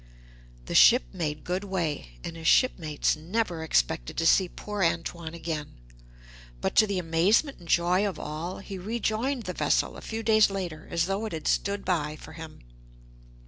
The ship made good way, and his shipmates never expected to see poor Antoine again, but to the amazement and joy of all, he rejoined the vessel a few days later as though it had stood by for him.